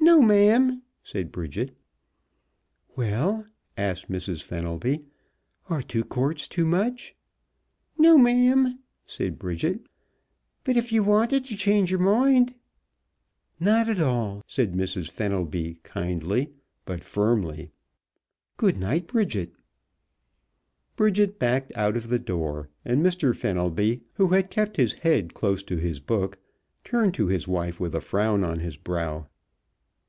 "No, ma'am," said Bridget. "Well," asked Mrs. Fenelby, "are two quarts too much?" "No, ma'am," said Bridget. "But if ye wanted t' change yer moind " "Not at all!" said Mrs. Fenelby, kindly but firmly. "Good night, Bridget." Bridget backed out of the door, and Mr. Fenelby, who had kept his head close to his book, turned to his wife with a frown on his brow.